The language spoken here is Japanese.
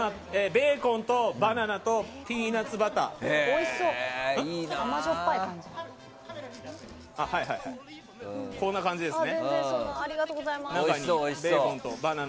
中にベーコンとバナナとピーナツバターが挟んである感じですね。